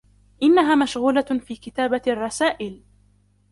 إنها مشغولة في كتابة الرسائل.